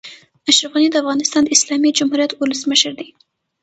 اشرف غني د افغانستان د اسلامي جمهوريت اولسمشر دئ.